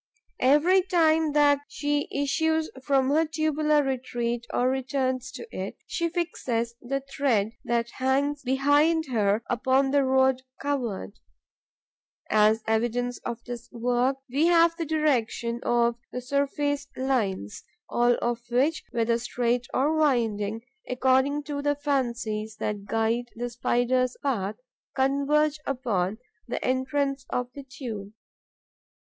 Every time that she issues from her tubular retreat or returns to it, she fixes the thread that hangs behind her upon the road covered. As evidence of this work, we have the direction of the surface lines, all of which, whether straight or winding, according to the fancies that guide the Spider's path, converge upon the entrance of the tube.